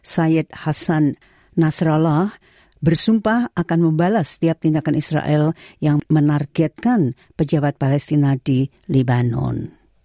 sayyid hasan nasrallah bersumpah akan membalas setiap tindakan israel yang menargetkan pejabat palestina di lebanon